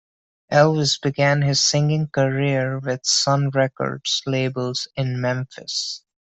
Elvis began his singing career with Sun Records label in Memphis.